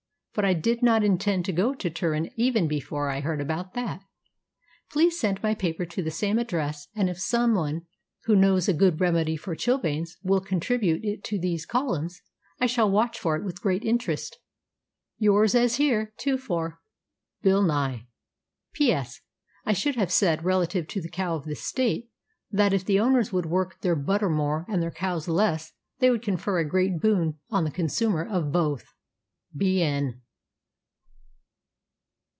But I did not intend to go to Turin even before I heard about that. Please send my paper to the same address, and if some one who knows a good remedy for chilblains will contribute it to these columns, I shall watch for it with great interest. Yours as here 2 4, BILL NYE. P. S. I should have said, relative to the cow of this State, that if the owners would work their butter more and their cows less they would confer a great boon on the consumer of both. B. N.